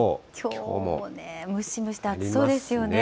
きょうもね、ムシムシと暑そうですよね。